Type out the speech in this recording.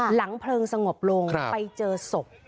เพลิงสงบลงไปเจอศพ